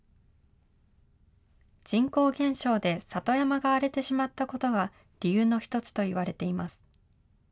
人口減少で里山が荒れてしまったことが、理由の一つといわれています。